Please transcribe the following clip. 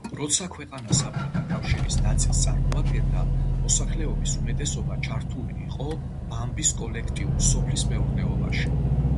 როცა ქვეყანა საბჭოთა კავშირის ნაწილს წარმოადგენდა მოსახლეობის უმეტესობა ჩართული იყო ბამბის კოლექტიურ სოფლის მეურნეობაში.